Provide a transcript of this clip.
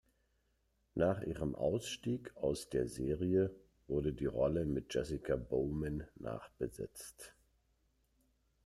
Nach ihrem Ausstieg aus der Serie wurde die Rolle mit Jessica Bowman nachbesetzt.